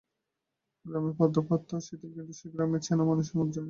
গ্রামে পর্দপ্রথা শিথিল কিন্তু সে গ্রামেরই চেনা মানুষের জন্য।